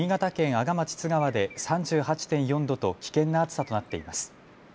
阿賀町津川で３８．４度と危険な暑さとなっています。